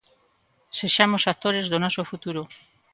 Sexamos actores do noso futuro.